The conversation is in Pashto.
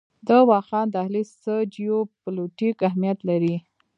د واخان دهلیز څه جیوپولیټیک اهمیت لري؟